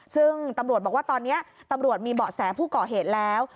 ซึ่งตำรวจบอกว่าตอนนี้ตำรวจมีเบาะแสผู้ก่อเหตุแล้ว